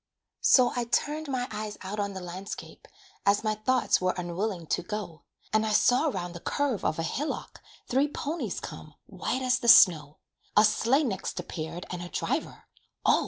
So I turned my eyes out on the landscape, As my thoughts were unwilling to go, And I saw 'round the curve of a hillock Three ponies come, white as the snow; A sleigh next appeared and a driver, Oh!